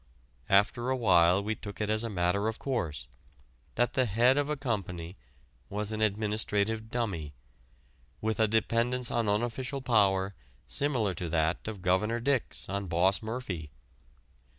After a while we took it as a matter of course that the head of a company was an administrative dummy, with a dependence on unofficial power similar to that of Governor Dix on Boss Murphy.